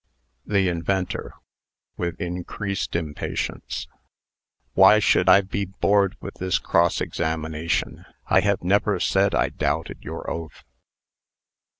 THE INVENTOR (with increased impatience). "Why should I be bored with this cross examination? I have never said I doubted your oath."